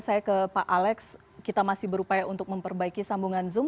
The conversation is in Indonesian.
saya ke pak alex kita masih berupaya untuk memperbaiki sambungan zoom